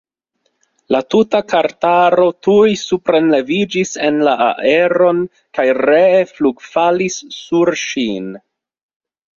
La tuta kartaro tuj suprenleviĝis en la aeron kaj ree flugfalis sur ŝin.